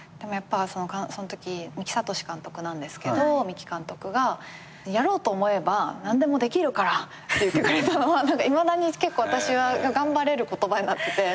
そのとき三木聡監督なんですけど三木監督が「やろうと思えば何でもできるから」って言ってくれたのはいまだに私は頑張れる言葉になってて。